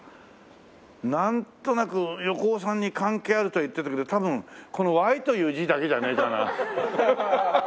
なんとなく横尾さんに関係あるとは言ってたけど多分このＹという字だけじゃねえかな？